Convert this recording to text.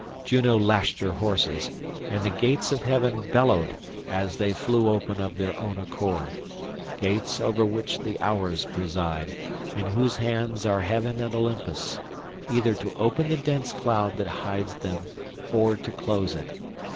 Juno lashed her horses, and the gates of heaven bellowed as they flew open of their own accord—gates over which the Hours preside, in whose hands are heaven and Olympus, either to open the dense cloud that hides them or to close it.